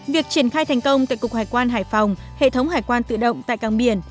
việc triển khai thành công tại cục hải quan hải phòng hệ thống hải quan tự động tại càng biển